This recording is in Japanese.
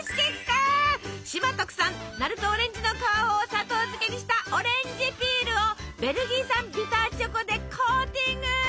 島特産鳴門オレンジの皮を砂糖漬けにしたオレンジピールをベルギー産ビターチョコでコーティング！